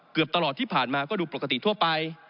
เกือบตลอดที่ผ่านมาก็ดูปกติทั่วไป